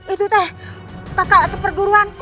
itu teh kakak seperguruanku